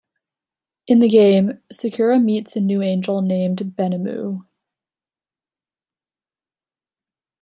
In the game, Sakura meets a new angel named Benomu.